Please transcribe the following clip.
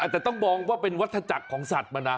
แต่ต้องมองว่าเป็นวัฒจักรของสัตว์มานะ